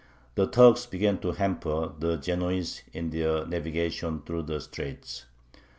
The Turks began to hamper the Genoese in their navigation through the straits.